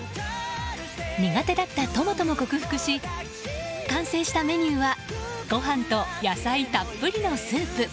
苦手だったトマトも克服し完成したメニューはご飯と野菜たっぷりのスープ。